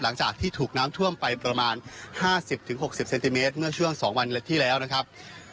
หลังจากที่ถูกน้ำท่วมไปประมาณห้าสิบถึงหกสิบเซนติเมตรเมื่อช่วงสองวันที่แล้วนะครับ